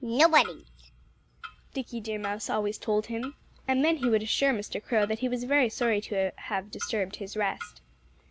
"Nobody's!" Dickie Deer Mouse always told him. And then he would assure Mr. Crow that he was very sorry to have disturbed his rest.